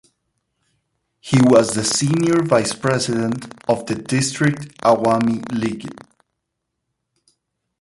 He was the senior vice president of the district Awami League.